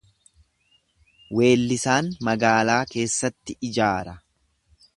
Weellisaan magaalaa keessatti ijaara.